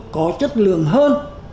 có chất lượng hơn